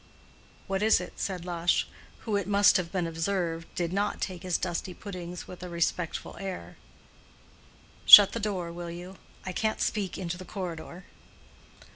"What is it?" said Lush, who, it must have been observed, did not take his dusty puddings with a respectful air. "Shut the door, will you? I can't speak into the corridor."